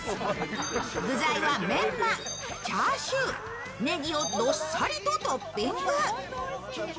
具材はメンマ、チャーシュー、ねぎをどっさりとトッピング。